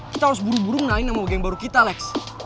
kita harus buru buru menangin nama bagian baru kita lex